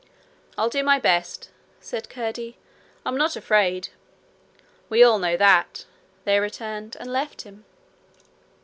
'I'll do my best,' said Curdie. 'I'm not afraid.' 'We all know that,' they returned, and left him.